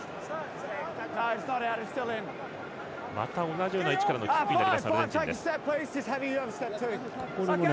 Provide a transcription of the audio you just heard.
同じような位置からのキックになります、アルゼンチン。